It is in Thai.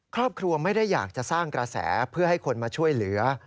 ครอบครัวไม่ได้อยากจะสร้างกระแสเพื่อให้คนมาช่วยเหลือ